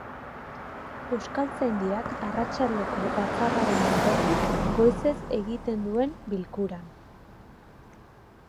Euskaltzaindiak, arratsaldeko batzarraren aurretik, goizez egiten duen bilkuran.